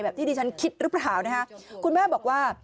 แบบที่ดิฉันคิดรึเปล่านะคะ